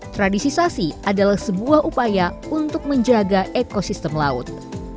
tradisi sasi adalah sebuah upaya untuk menjaga ekosistem laut